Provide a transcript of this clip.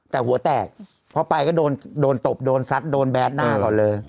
แต่หัวแตกพอไปก็โดนตบโดนซัดโดนแบสหน้าก่อนเลย